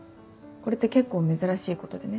これって結構珍しいことでね。